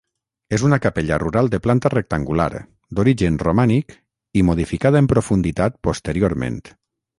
És una capella rural de planta rectangular, d'origen romànic i modificada en profunditat posteriorment.